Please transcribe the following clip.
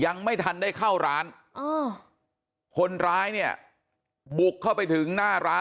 ยังไม่ทันได้เข้าร้านคนร้ายเนี่ยบุกเข้าไปถึงหน้าร้าน